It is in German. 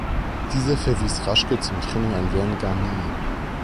Dieser verwies Raschke zum Training an Verne Gagne.